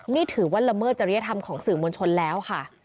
นี่ถือว่าละเมิดจริยธรรมของสื่อมวลชนแล้วค่ะ